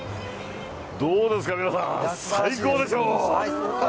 どうですか、皆さん、最高でしょ？